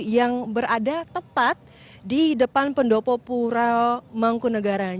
yang berada tepat di depan pendopo pura mangkunagaran